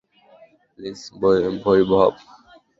Please, Vaibhav.